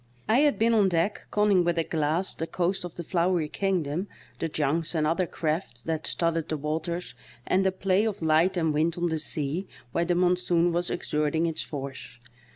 I had been on deck conning with a glass the coast of the FloweryKingdom, the junks and other ciaft that studded the waters, and the play of light and wind on the sea where the monsoon was exerting its force.